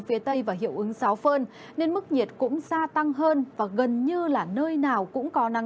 phía tây và hiệu ứng giáo phơn nên mức nhiệt cũng gia tăng hơn và gần như là nơi nào cũng có nắng